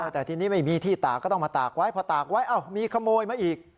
แต่ทีนี้ไม่มีที่ตากก็ต้องมาตากไว้พอตากไว้มีขโมยมาอีก